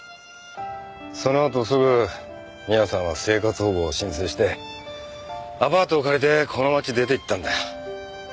そのあとすぐ宮さんは生活保護を申請してアパートを借りてこの街出ていったんだ。